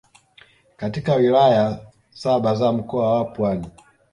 katika Wilaya saba za Mkoa wa Pwani